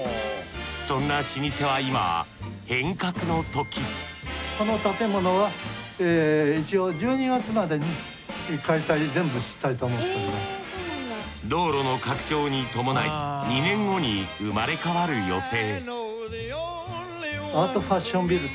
そんな老舗は今変革のとき道路の拡張に伴い２年後に生まれ変わる予定